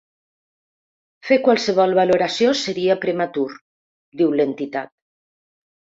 Fer qualsevol valoració seria prematur, diu l’entitat.